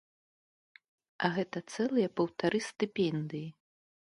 А гэта цэлыя паўтары стыпендыі!